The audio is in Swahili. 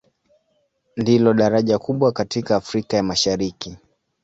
Ndilo daraja kubwa katika Afrika ya Mashariki.